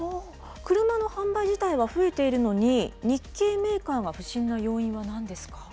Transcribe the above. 車の販売自体は増えているのに、日系メーカーが不振な要因はなんですか？